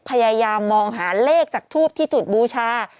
พยายามมองหาเลขจากทูปที่จุดบูชา